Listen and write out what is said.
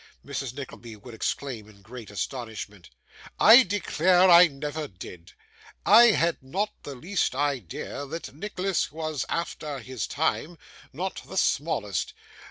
Mrs. Nickleby would exclaim in great astonishment; 'I declare I never did! I had not the least idea that Nicholas was after his time, not the smallest.